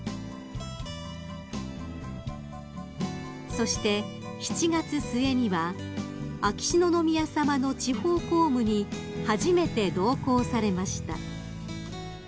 ［そして７月末には秋篠宮さまの地方公務に初めて同行されました］